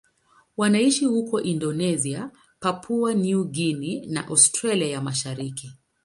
Wanaishi huko Indonesia, Papua New Guinea na Australia ya Mashariki.